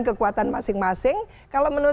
kekuatan masing masing kalau menurut